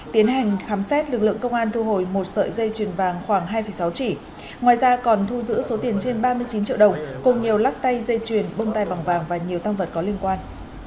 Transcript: tiến hành khám xét lực lượng công an thu hồi một sợi dây chuyền vàng khoảng hai sáu trị ngoài ra còn thu giữ số tiền trên ba mươi chín triệu đồng cùng nhiều lắc tay dây chuyền bông tay bằng vàng và nhiều tăng vật có liên quan